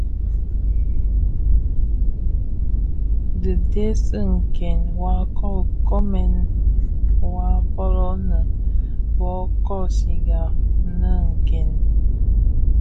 Dhi dhesi nken wa nkonen waa folomin innë bo kosigha min nken.